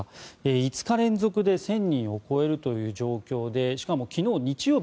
５日連続で１０００人を超えるという状況でしかも昨日、日曜日